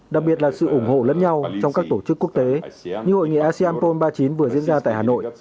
đặc biệt là sự ủng hộ lẫn nhau trong các tổ chức quốc tế như hội nghị asean pol ba mươi chín vừa diễn ra tại hà nội